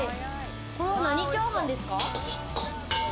これは何チャーハンですか？